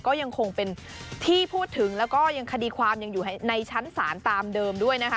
ก็ยังคงเป็นที่พูดถึงแล้วก็ยังคดีความยังอยู่ในชั้นศาลตามเดิมด้วยนะคะ